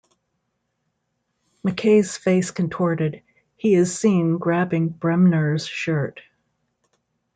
Mackay's face contorted, he is seen grabbing Bremner's shirt.